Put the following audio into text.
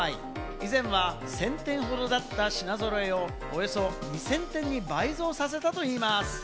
以前は１０００点ほどだった品ぞろえを、およそ２０００点に倍増させたといいます。